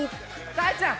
大ちゃん